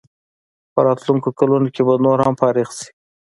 په راتلونکو کلونو کې به نور هم فارغ شي.